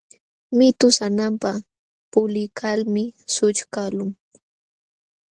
Mitu sananpa puliykalmi sućhkaqlun.